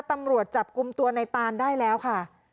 ตำรวจจับกลุ่มตัวในตานได้แล้วค่ะ